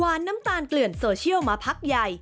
น้ำตาลเกลื่อนโซเชียลมาพักใหญ่